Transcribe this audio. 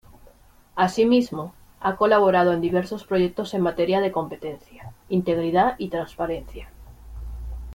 Asimismo, ha colaborado en diversos proyectos en materia de competencia, integridad y transparencia.